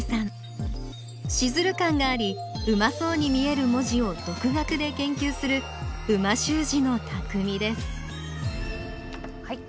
シズル感がありうまそうに見える文字をどくがくで研究する美味しゅう字のたくみですはい。